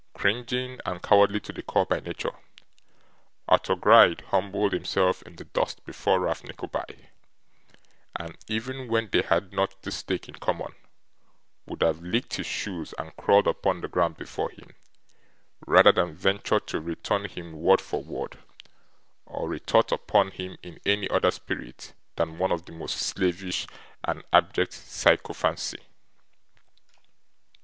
Cringing and cowardly to the core by nature, Arthur Gride humbled himself in the dust before Ralph Nickleby, and, even when they had not this stake in common, would have licked his shoes and crawled upon the ground before him rather than venture to return him word for word, or retort upon him in any other spirit than one of the most slavish and abject sycophancy.